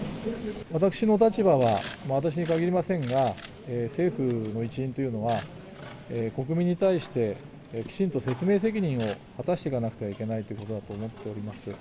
私の立場は、私に限りませんが、政府の一員というのは、国民に対してきちんと説明責任を果たしていかなくてはいけないということだと思っております。